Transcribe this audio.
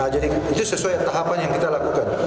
jadi itu sesuai tahapan yang kita lakukan